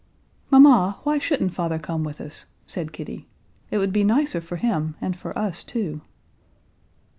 "Mamma, why shouldn't father come with us?" said Kitty. "It would be nicer for him and for us too."